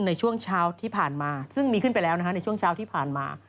ในช่วงเช้าที่ผ่านมา